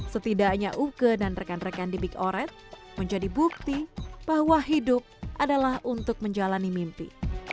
setidaknya uke dan rekan rekan di big oret menjadi bukti bahwa hidup adalah untuk menjalani mimpi